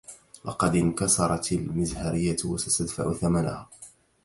لقد انكسرت المزهرية و ستدفع ثمنها.